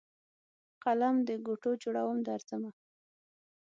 قلم دګوټو جوړوم درځمه